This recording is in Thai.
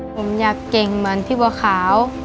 ผมอยากเก่งเหมือนพี่บัวขาว